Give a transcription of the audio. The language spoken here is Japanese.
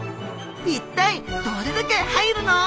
一体どれだけ入るの！？